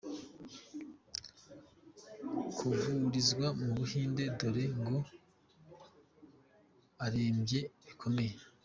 kuvurizwa mu Buhinde dore ngo arembye bikomeye.